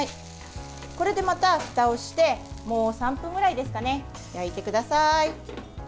これでまた、ふたをしてもう３分ぐらいですかね焼いてください。